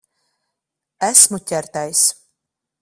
Esmu ķertais.